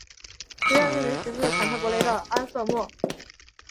学院命名取自坎特伯雷的安瑟莫。